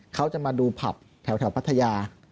เขาจะมาดูผับแถวพัทยา